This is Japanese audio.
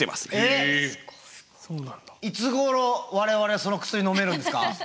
いつごろ我々はその薬飲めるんですか？